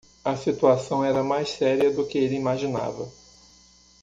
A situação era mais séria do que ele imaginava.